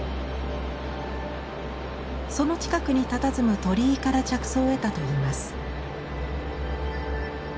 その近くにたたずむ鳥居から着想を得たといいます。